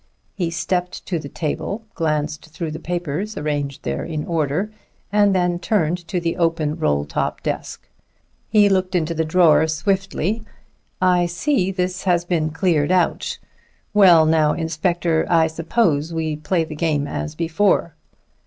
He stepped to the table, glanced through the papers arranged there in order, and then turned to the open roll top desk. He looked into the drawers swiftly. "I see this has been cleared out. Well now, inspector, I suppose we play the game as before."